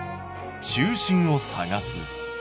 「中心を探す」。